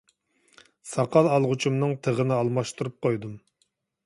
ساقال ئالغۇچۇمنىڭ تىغىنى ئالماشتۇرۇپ قويدۇم.